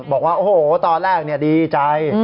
บอกว่าโอ้โหตอนแรกดีใจ